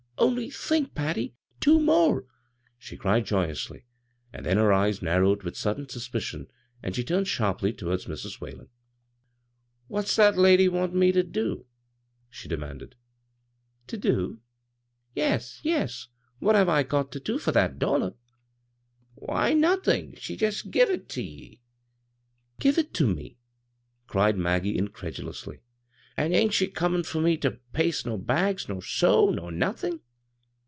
Only think, Patty — two more !" she cried joyously ; then her eyes narrowed with sudden suspicion, and she turned sharply towards Mrs. Whalen. " What's that lady want me ter do ?" she demanded. '35 b, Google CROSS CURRENTS "•Terdo"?" " Yes, yes I What have I got ter do for that dollar?" " Why, DOthin'. She jest give it to ye." "Give it to me I" exclaimed Maggie, in credulously. " An' ain't she conun' for me ter paste no bags, nor sew, nor nothin' ?